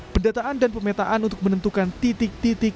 pendataan dan pemetaan untuk menentukan titik titik